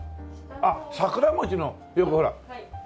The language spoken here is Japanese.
桜餅のよくほら。